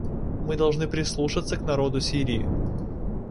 Мы должны прислушаться к народу Сирии.